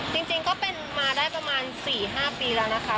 จริงก็เป็นมาได้ประมาณ๔๕ปีแล้วนะคะ